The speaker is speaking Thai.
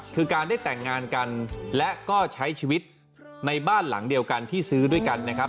คือการได้แต่งงานกันและก็ใช้ชีวิตในบ้านหลังเดียวกันที่ซื้อด้วยกันนะครับ